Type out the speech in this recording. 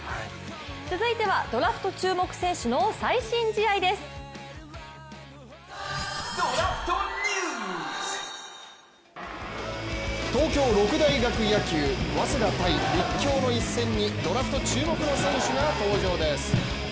続いてはドラフト注目選手の最新試合です東京六大学野球早稲田×立教の一戦にドラフト注目の選手が登場です。